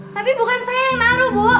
tapi bukan saya yang naruh bu